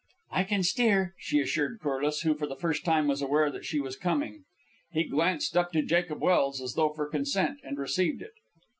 "I can steer," she assured Corliss, who for the first time was aware that she was coming. He glanced up to Jacob Welse, as though for consent, and received it.